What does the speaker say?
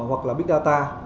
hoặc là big data